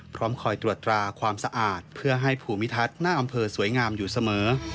พร้อมคอยตรวจตราความสะอาดเพื่อให้ภูมิทัศน์หน้าอำเภอสวยงามอยู่เสมอ